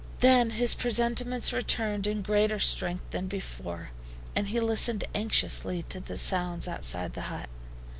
Then his presentiments returned in greater strength than before, and he listened anxiously to the sounds outside the hut.